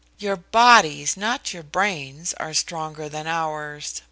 Your bodies, and not your brains, are stronger than ours.